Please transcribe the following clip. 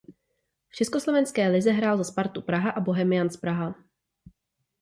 V československé lize hrál za Spartu Praha a Bohemians Praha.